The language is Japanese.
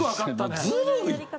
もうずるいって。